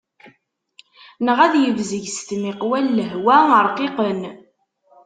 Neɣ ad yebzeg s tmiqwa n lehwa rqiqen.